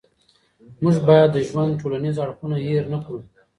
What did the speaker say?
موږ باید د ژوند ټولنیز اړخونه هېر نه کړو.